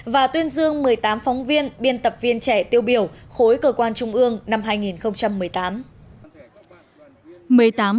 và tuyên dương một mươi tám phóng viên biên tập viên trẻ tiêu biểu khối cơ quan trung ương năm hai nghìn một mươi tám